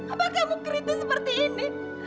apa kamu keritu seperti ini